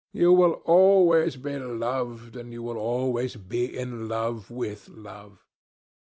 You will always be loved, and you will always be in love with love.